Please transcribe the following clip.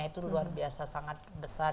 itu luar biasa sangat besar